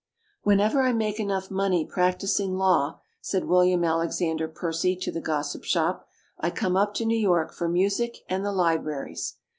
"Whenever I make enough money practising law", said William Alexan der Percy to the GrOssip Shop, "I come up to New York for music and the li braries."